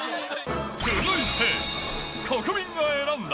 続いて、国民が選んだ！